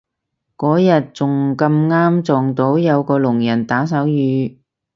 嗰日仲咁啱撞到有個聾人打手語